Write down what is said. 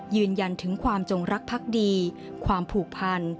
ยืนยันถึงความจงรักพักดีความผูกพัน